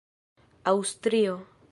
aŭstrio